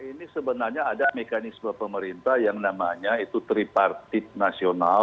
jadi begini mbak ini sebenarnya ada mekanisme pemerintah yang namanya ini adalah pemerintah yang menjaga kebijakan